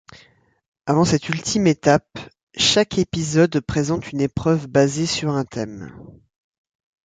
Avant cette ultime étape, chaque épisode présente une épreuve basé sur un thème.